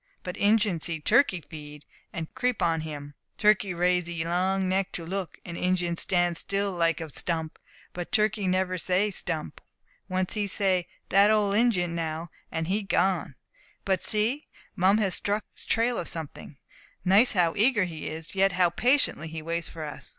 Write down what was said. But Injin see turkey feed, and creep on him. Turkey raise 'ee long neck to look, and Injin stand still like a stump; but turkey never say "stump!" once; he say, "dat old Injin now!" and he gone.' But see, Mum has struck the trail of something. Notice how eager he is, yet how patiently he waits for us.